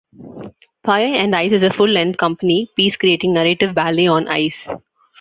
Fire and Ice is a full length company piece creating narrative ballet on ice.